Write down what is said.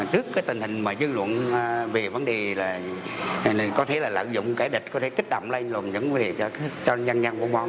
trước tình hình dư luận về vấn đề có thể lợi dụng kẻ địch có thể kích động lây luận những vấn đề cho dân dân quân mong